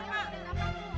pada ngumpul di mari